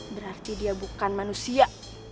berarti dia bukan manusia